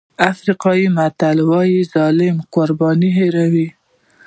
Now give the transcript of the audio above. افریقایي متل وایي ظالم قرباني هېروي.